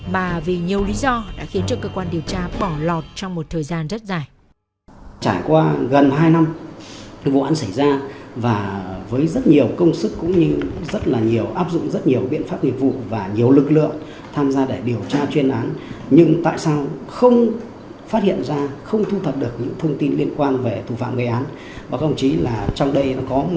và vì nhiều lý do đã khiến cơ quan điều tra bỏ lọt trong một thời gian rất dài